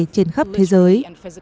đã diễn ra trên khắp thế giới